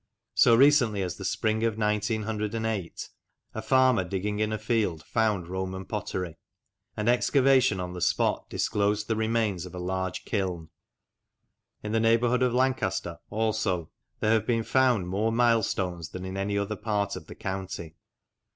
So recently as in the spring of 1908 a farmer digging in a field found Roman pottery, and excavation on the spot disclosed the remains of a large kiln. In the neighbourhood of Lancaster, also, there have been found more milestones than in any other part of the county.